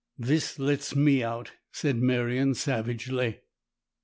This lets me out," said Merion, savagely.